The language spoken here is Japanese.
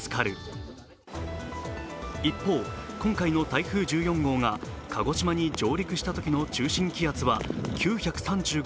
一方、今回の台風１４号が鹿児島に上陸したときの中心気圧は９３５ｈＰａ。